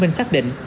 sẽ được xác định